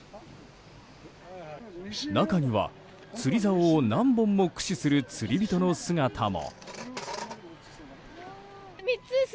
中には釣りざおを何本も駆使する釣り人の姿も。